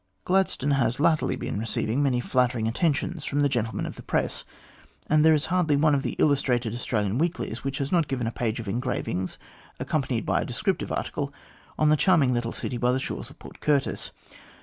Gladstone has latterly been receiving many flattering attentions from the gentlemen of the Press, and there is hardly one of the illustrated Australian weeklies which has not given a page of engravings, accompanied by a descrip tive article on the charming little city by the shores of Port Curtis.